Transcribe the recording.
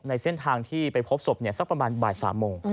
ในเส้นทางที่ไปพบศพสักประมาณบ่าย๓โมง